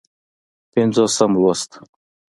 پينځوسم لوست